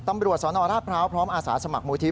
ตำรวจสนราชพร้าวพร้อมอาสาสมัครมูลที่